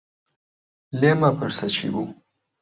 لێم مەپرسە چی بوو.